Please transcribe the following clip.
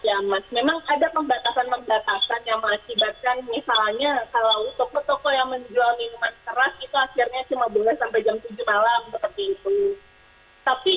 ya mas memang ada pembatasan pembatasan yang mengakibatkan misalnya kalau toko toko yang menjual minuman keras itu akhirnya cuma boleh sampai jam tujuh malam seperti itu tapi